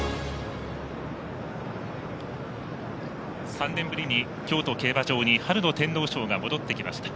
３年ぶりに京都競馬場に春の天皇賞が戻ってきました。